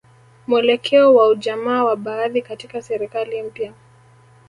Mwelekeo wa ujamaa wa baadhi katika serikali mpya